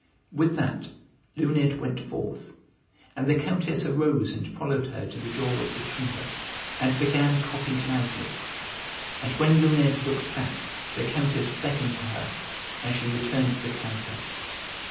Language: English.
With that Luned went forth; and the Countess arose and followed her to the door of the chamber, and began coughing loudly. And when Luned looked back, the Countess beckoned to her, and she returned to the Countess.